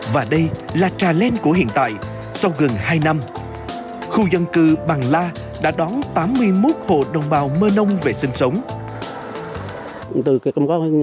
và đây là trà len của hiện tại sau gần hai năm khu dân cư bằng la đã đón tám mươi một hộ đồng bào mơ nông về sinh sống